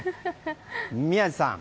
宮司さん